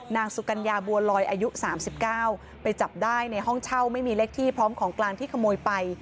นางสุกัญญาบัวลอยอายุ๓๙ไปจับได้ในห้องเช่าไม่มีเลขที่พร้อมของกลางที่ขโมยไป